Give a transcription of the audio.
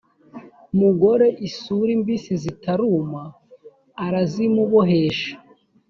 mugore isuri mbisi zitaruma arazimubohesha